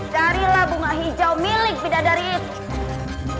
carilah bunga hijau milik pidatari itu